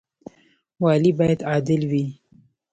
والي باید عادل وي